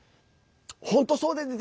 本当そうですね。